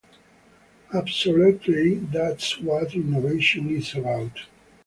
Absolutely; that's what innovation is about.